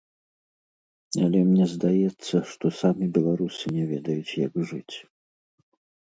Але мне здаецца, што самі беларусы не ведаюць, як жыць.